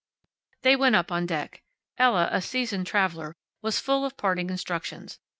They went up on deck. Ella, a seasoned traveler, was full of parting instructions.